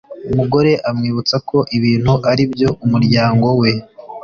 umugore amwibutsa ko ibintu ari ibyo umuryango we